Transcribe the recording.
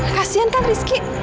kasian kan rizky